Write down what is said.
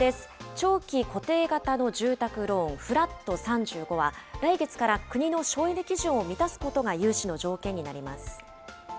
長期固定型の住宅ローン、フラット３５は、来月から国の省エネ基準を満たすことが融資の条件になります。